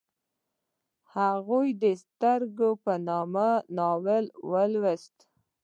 هغې د سترګې په نوم ناول لوست